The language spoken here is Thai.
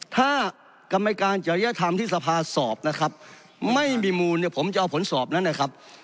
ถ้ากรรมการจริยธรรมที่สภาสอบนะครับไม่มีมูลเนี่ยผมจะเอาผลสอบนั้นนะครับ